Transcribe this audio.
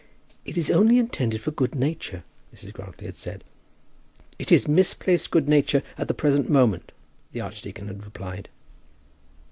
"It is only intended for good nature," Mrs. Grantly had said. "It is misplaced good nature at the present moment," the archdeacon had replied.